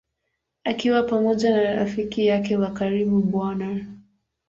Akiwa pamoja na rafiki yake wa karibu Bw.